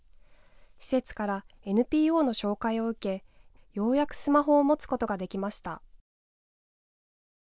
施設からＮＰＯの紹介を受けようやくスマホを持つことができました。